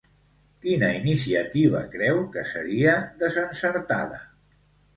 Quina iniciativa creu que seria desencertada?